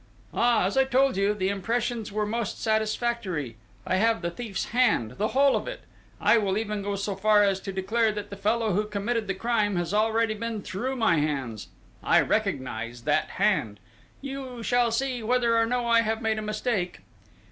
"Ah, as I told you, the impressions were most satisfactory. I have the thief's hand the whole of it! I will even go so far as to declare that the fellow who committed the crime has already been through my hands. I recognise that hand! You shall see, whether or no I have made a mistake!"...